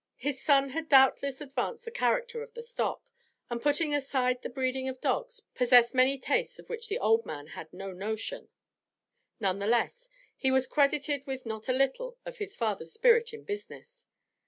His son had doubtless advanced the character of the stock, and, putting aside the breeding of dogs, possessed many tastes of which the old man had no notion; none the less, he was credited with not a little of his father's spirit in business.